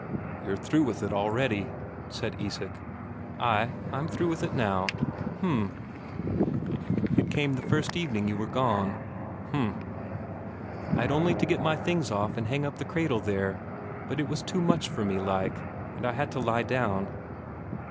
"You're through with it already?" said Isak. "Ay, I'm through with it now." "H'm." "It came the first evening you were gone." "H'm." "I'd only to get my things off and hang up the cradle there, but it was too much for me, like, and I had to lie down."